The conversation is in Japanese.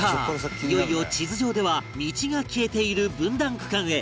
いよいよ地図上では道が消えている分断区間へ